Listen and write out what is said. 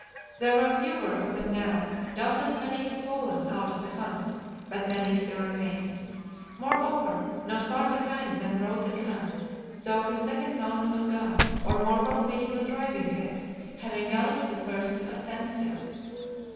There were fewer of them now; doubtless many had fallen out of the hunt, but many still remained. Moreover, not far behind them rode the Khan, though his second mount was gone, or more probably he was riding it, having galloped the first to a standstill.